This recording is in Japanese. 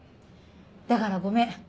だからごめん。